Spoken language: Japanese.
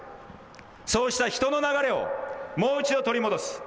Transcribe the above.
そうした人の流れをもう一度取り戻す。